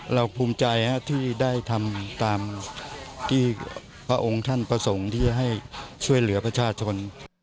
ภูมิใจที่ได้ทำตามที่พระองค์ท่านประสงค์ที่จะให้ช่วยเหลือประชาชน